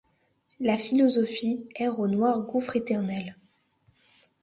Là philosophie erre au noir gouffre éternel ;